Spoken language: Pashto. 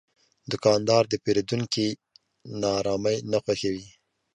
دوکاندار د پیرودونکي ناارامي نه خوښوي.